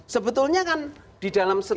sebetulnya kan di dalam